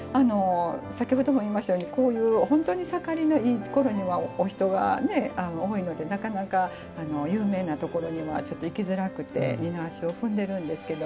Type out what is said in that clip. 先ほども言いましたように本当に盛りのいいころにはお人が多いのでなかなか有名なところには行きづらくて二の足を踏んでるんですけど。